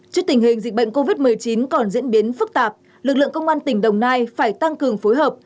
trước tình hình dịch bệnh covid một mươi chín còn diễn biến phức tạp lực lượng công an tỉnh đồng nai phải tăng cường phối hợp